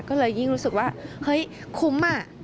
ก็เลยยิ่งรู้สึกว่าเฮ้ยคุ้มอ่ะ